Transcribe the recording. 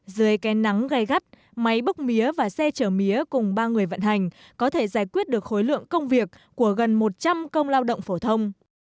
dưới cây nắng gai gắt máy bốc mía và xe chở mía cùng ba người vận hành có thể giải quyết được khối lượng công việc của gần một trăm linh công lao động phổ thông